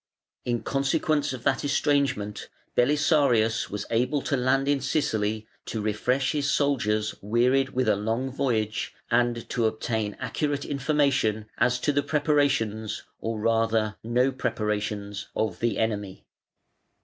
In consequence of that estrangement Belisarius was able to land in Sicily to refresh his soldiers wearied with a long voyage, and to obtain accurate information as to the preparations, or rather no preparations, of the enemy.